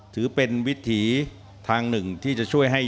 ถือเป็นวิธีทางหนึ่งที่จะช่วยให้เกียรติ